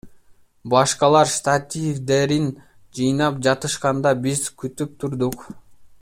Башкалар штативдерин жыйнап жатышканда, биз күтүп турдук.